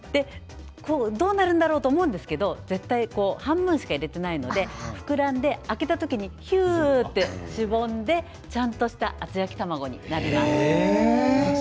どうなるんだろうと思うんですけど絶対半分しか入れていないので膨らんで開けた時に、ひゅーんってしぼんでちゃんとした厚焼き卵になります。